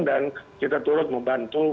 dan kita turut membantu